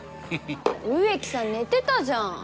植木さん寝てたじゃん。